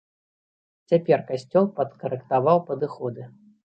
Цяпер касцёл падкарэктаваў падыходы.